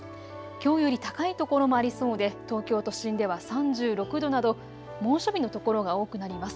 きょうより高いところもありそうで東京都心では３６度など猛暑日の所が多くなります。